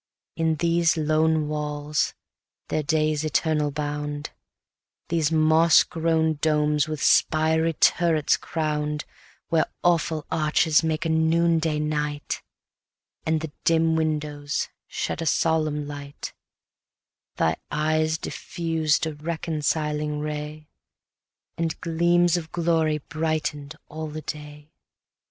140 In these lone walls, (their day's eternal bound) These moss grown domes with spiry turrets crown'd, Where awful arches make a noonday night, And the dim windows shed a solemn light; Thy eyes diffused a reconciling ray, And gleams of glory brighten'd all the day.